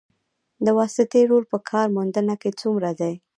د واسطې رول په کار موندنه کې څومره دی؟